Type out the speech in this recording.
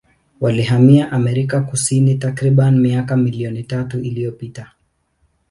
Walihamia Amerika Kusini takribani miaka milioni tatu iliyopita.